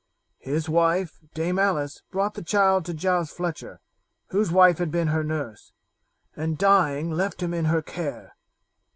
His wife, Dame Alice, brought the child to Giles Fletcher, whose wife had been her nurse, and dying left him in her care.